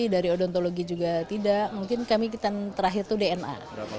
dari odontologi juga tidak mungkin kemungkinan terakhir itu dna